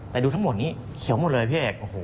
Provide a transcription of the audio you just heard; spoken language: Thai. แต่ดูทั้งหมดนี้เขียวหมดเลยพี่เอก